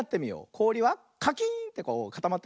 こおりはカキーンってこうかたまってるね。